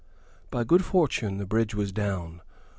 By good fortune the bridge was down.